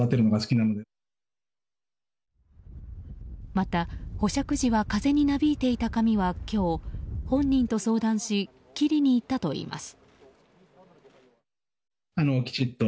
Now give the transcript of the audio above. また、保釈時は風になびいていた髪は今日本人と相談し切りに行ったといいます。